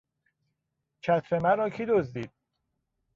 چتر مرا کی دزدید؟